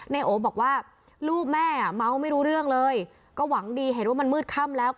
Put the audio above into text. นายโอบอกว่าลูกแม่อ่ะเมาไม่รู้เรื่องเลยก็หวังดีเห็นว่ามันมืดค่ำแล้วก็